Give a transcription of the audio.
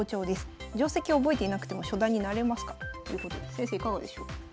先生いかがでしょう？